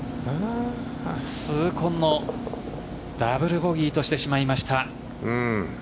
痛恨のダブルボギーとしてしまいました。